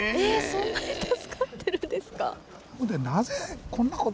そんなに助かってるんですか。